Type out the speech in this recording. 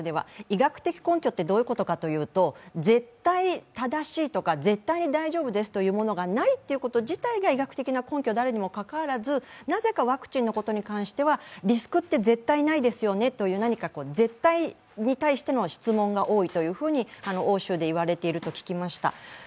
医学的根拠ってどういうことかというと絶対正しいとか絶対に大丈夫ですというものがないということ自体が医学的な根拠であるにもかかわらず、なぜかワクチンのことに関しては、リスクって絶対ないですよねという絶対に対しての質問が多いと欧州で言われていると聞きました。